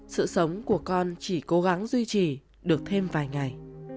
sự sống của con chỉ cố gắng duy trì được thêm vài ngày